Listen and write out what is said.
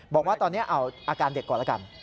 บอกว่าตอนนี้เอาอาการเด็กก่อนแล้วกัน